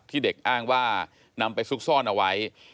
ที่เด็กอ้างว่านำไปซุกซ่อนเอาไว้